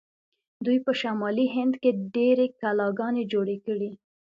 دوی په شمالي هند کې ډیرې کلاګانې جوړې کړې.